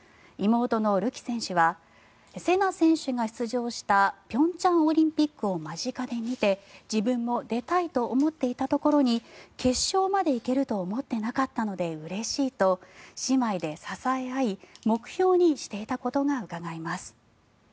妹のるき選手はせな選手が出場した平昌オリンピックを間近で見て自分も出たいと思っていたところに決勝まで行けると思っていなかったのでうれしいと姉妹で支え合い目標にしていたことがうかがえます。